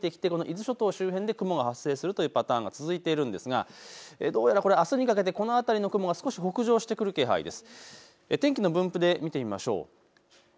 北風が吹いてきて伊豆諸島周辺で雲が発生するというパターンが続いているんですが、どうやらこれ、あすにかけてこの辺りの雲が少し北上してくる気配です。